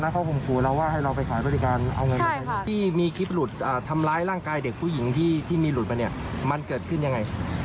ที่ที่มีคลิปหลุดทำร้ายร่างกายเด็กผู้หญิงที่มีหลุดมันเกิดขึ้นยังไง